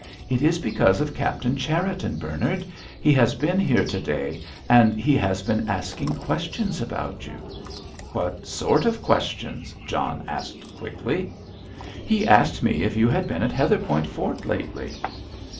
"It is because of Captain Cherriton, Bernard; he has been here to day, and has been asking questions about you." "What sort of questions?" John asked quickly. "He asked me if you had been at Heatherpoint Fort lately.